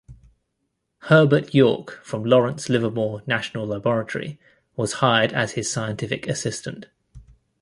Herbert York from Lawrence Livermore National Laboratory was hired as his scientific assistant.